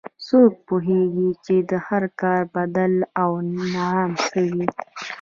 څوک پوهیږي چې د هر کار بدل او انعام څه وي